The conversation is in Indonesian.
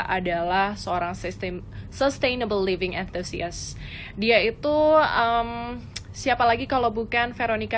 adalah seorang sistem sustainable living antusias dia itu siapa lagi kalau bukan veronica